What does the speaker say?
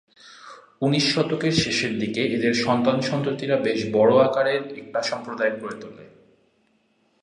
উনিশ শতকের শেষের দিকে এদের সন্তান-সন্ততিরা বেশ বড় আকারের একটা সম্প্রদায় গড়ে তোলে।